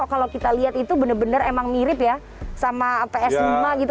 kalau kita lihat itu benar benar emang mirip ya sama ps lima gitu